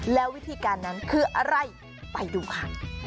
แล้ววิธีการนั้นคืออะไรไปดูค่ะ